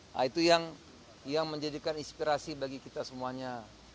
nah itu yang menjadikan inspirasi bagi kita semuanya